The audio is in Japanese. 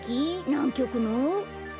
なんきょくの？